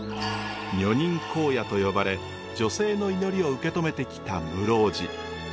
女人高野と呼ばれ女性の祈りを受け止めてきた室生寺。